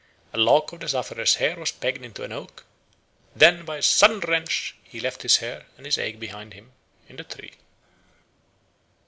A lock of the sufferer's hair was pegged into an oak; then by a sudden wrench he left his hair and his ague behind him in the tree.